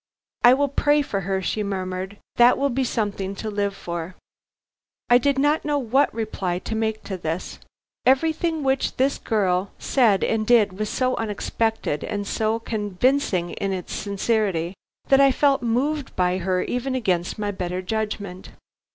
"I will pray for her," she murmured; "that will be something to live for." I did not know what reply to make to this. Everything which this girl said and did was so unexpected and so convincing in its sincerity, I felt moved by her even against my better judgment.